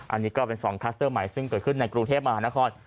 อันนี้ก็เป็น๒คลัสเตอร์ใหม่ซึ่งเกิดขึ้นในกรุงเทพมหานคร